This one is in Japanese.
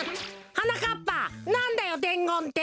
はなかっぱなんだよでんごんって？